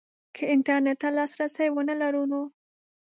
که انترنټ ته لاسرسی ونه لرو نو